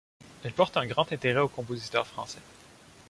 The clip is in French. Elle porte un grand intérêt aux compositeurs français.